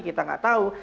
kita gak tahu